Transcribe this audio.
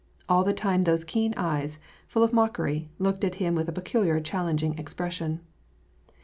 AH the time those keen eyes, full of mockery, looked at him with a peculiar challen ging expression.